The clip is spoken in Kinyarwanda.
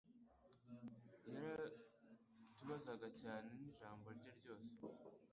biratubabaza cyane nijambo rye ryose